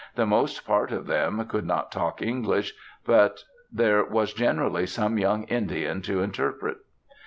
The most part of them could not talk English, but there was generally some young Indian to interpret.